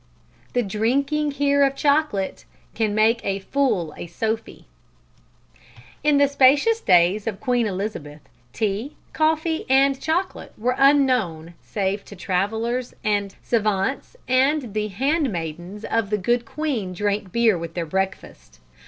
_ "The drinking here of chocolate Can make a fool a sophie." In the spacious days of Queen Elizabeth, tea, coffee, and chocolate were unknown save to travellers and savants, and the handmaidens of the good queen drank beer with their breakfast.